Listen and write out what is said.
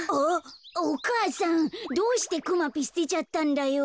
お母さんどうしてくまぴすてちゃったんだよ。